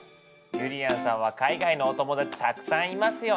ゆりやんさんは海外のお友達たくさんいますよね？